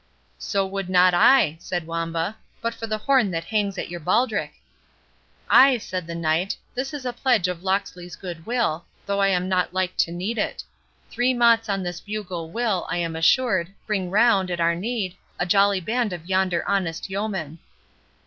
"So would not I," said Wamba—"but for the horn that hangs at your baldric." "Ay," said the Knight,—"this is a pledge of Locksley's goodwill, though I am not like to need it. Three mots on this bugle will, I am assured, bring round, at our need, a jolly band of yonder honest yeomen."